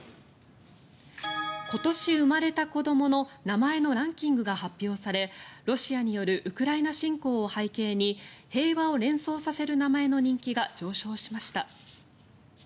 今年生まれた子どもの名前のランキングが発表されロシアによるウクライナ侵攻を背景に平和を連想させる名前の人気が上昇しました。